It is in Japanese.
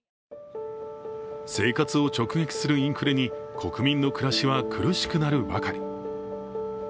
生活を直撃するインフレに国民の暮らしは苦しくなるばかり。